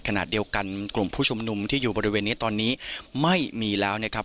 ขณะเดียวกันกลุ่มผู้ชุมนุมที่อยู่บริเวณนี้ตอนนี้ไม่มีแล้วนะครับ